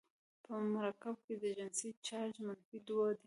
په مرکب کې د اکسیجن چارج منفي دوه دی.